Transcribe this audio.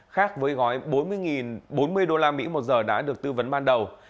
khác với gói bốn mươi đô la mỹ một giờ đã được tư vấn ban đầu